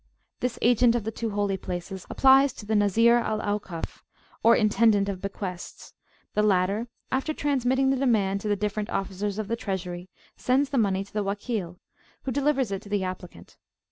This Agent of the two Holy Places applies to the Nazir al Aukaf, or Intendant of Bequests; the latter, [p.8]after transmitting the demand to the different officers of the treasury, sends the money to the Wakil, who delivers it to the applicant.